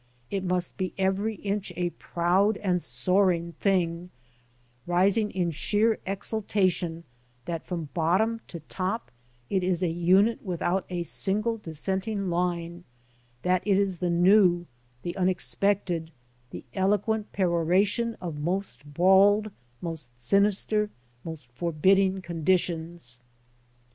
It must be every inch a proud and soaring thing, rising in sheer exultation that from bottom to top it is a unit without a single dissenting line, ŌĆö that it is the new, the unexpected, the eloquent peroration of most bald, most sinister, most forbidding conditions.